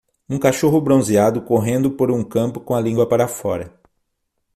um cachorro bronzeado correndo por um campo com a língua para fora